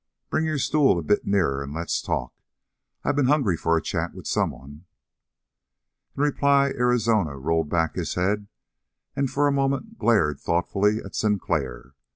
Bring your stool a bit nearer and let's talk. I been hungry for a chat with someone." In reply Arizona rolled back his head and for a moment glared thoughtfully at Sinclair.